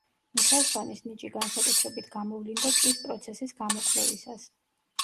მიხელსონის ნიჭი განსაკუთრებით გამოვლინდა წვის პროცესის გამოკვლევისას.